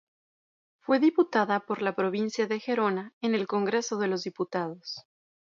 Fue diputada por la provincia de Gerona en el Congreso de los Diputados.